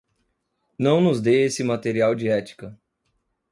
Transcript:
Não nos dê esse material de ética.